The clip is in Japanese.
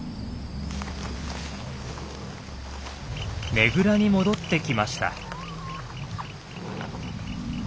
ねぐらに戻ってきました。